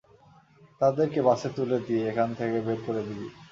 তাদের কে বাসে তুলে দিয়ে এখান থেকে বের করে দিবি।